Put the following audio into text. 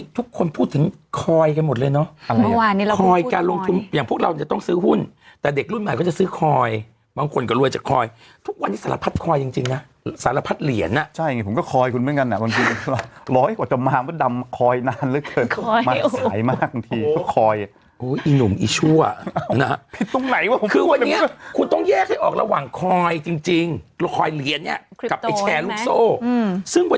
ทุกคนพูดถึงคอยกันหมดเลยเนอะคอยการลงทุมอย่างพวกเราจะต้องซื้อหุ้นแต่เด็กรุ่นใหม่ก็จะซื้อคอยบางคนก็รวยจากคอยทุกวันนี้สารพัดคอยจริงจริงน่ะสารพัดเหรียญน่ะใช่อย่างงี้ผมก็คอยคุณเหมือนกันอ่ะวันที่ร้อยกว่าจะมาว่าดำคอยนานหรือเถิดมาสายมากทีเพราะคอยอ่ะโอ้ยอีหนุ่มอีชั่วนะผิดตรงไหนว่าคื